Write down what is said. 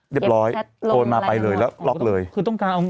เด็บร้อยโอนมาไปเลยแล้วล็อกเลยคลิดแพทย์ลงอะไรอย่างนั้น